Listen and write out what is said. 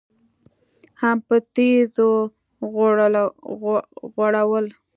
هم په تيږو غړول.